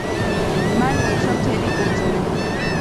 მან მოიცვა მთელი კუნძული.